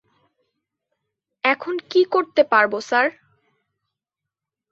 এখন কী করতে পারবো, স্যার?